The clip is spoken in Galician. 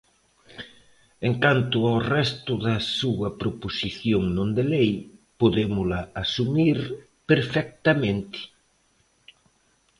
En canto ao resto da súa proposición non de lei, podémola asumir perfectamente.